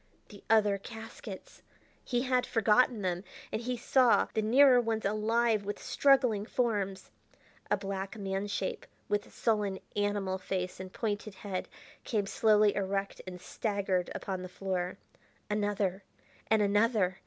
The other caskets! He had forgotten them, and he saw the nearer ones alive with struggling forms. A black man shape, with sullen, animal face and pointed head, came slowly erect and staggered upon the floor. Another and another!